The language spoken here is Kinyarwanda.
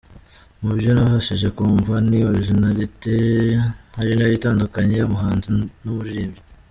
Mu byo nabashije kwumva ni originalite ari nayo itandukanya umuhanzi n’umuririmbyi.